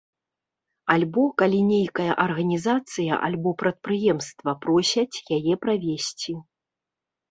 Альбо калі нейкая арганізацыя альбо прадпрыемства просяць яе правесці.